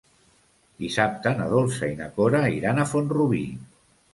Dissabte na Dolça i na Cora iran a Font-rubí.